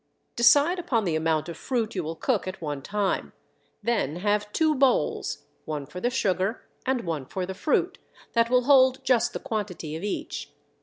Decide upon the amount of fruit you will cook at one time, then have two bowls one for the sugar and one for the fruit that will hold just the quantity of each.